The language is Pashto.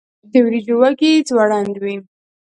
د وریجو وږی ځوړند وي.